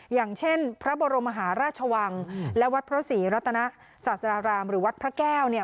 อย่างเช่นพระบรมหาราชวังและวัดพระศรีรัตนศาสรารามหรือวัดพระแก้วเนี่ย